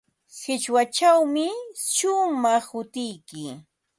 Qichwachawmi shumaq hutiyki.